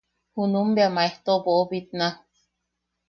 Junum bea maejto boʼobitna.